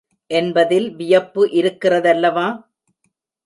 என்பதில் வியப்பு இருக்கிறதல்லவா?